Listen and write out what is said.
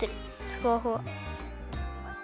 ふわふわ！